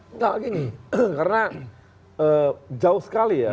tidak lagi nih karena jauh sekali ya